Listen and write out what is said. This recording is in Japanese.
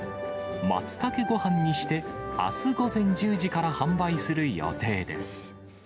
マツタケごはんにして、あす午前１０時から販売する予定です。